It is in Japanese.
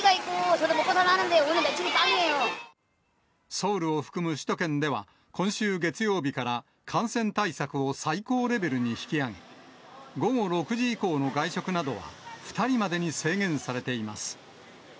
ソウルを含む首都圏では、今週月曜日から感染対策を最高レベルに引き上げ、午後６時以降の外食などは、２人までに制限されています。